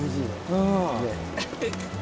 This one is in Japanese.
うん。